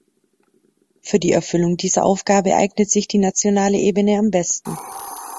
Für die Erfüllung dieser Aufgabe eignet sich die nationale Ebene am besten.